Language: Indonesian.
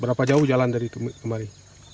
berapa jauh jalan dari kemari